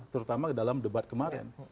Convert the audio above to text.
terutama dalam debat kemarin